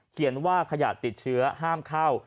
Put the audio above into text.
เขียนว่าขยะติดเชื้อห้ามเข้า